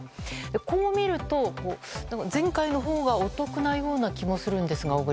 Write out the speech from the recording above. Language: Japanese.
こう見ると、前回のほうがお得なような気がするんですが。